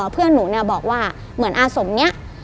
เพื่อนหนูเนี่ยบอกว่าเหมือนอาสมนี้